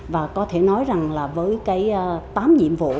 và có thể nói rằng là với cái tám nhiệm vụ